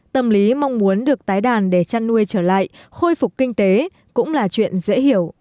tâm lý mong muốn được tái đàn để chăn nuôi trở lại khôi phục kinh tế cũng là chuyện dễ hiểu